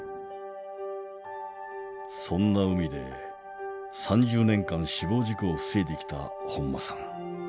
そんな海で３０年間死亡事故を防いできた本間さん。